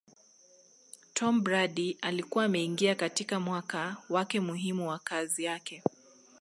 Tomm Brady alikuwa ameingia katika mwaka wake muhimu wa kazi yake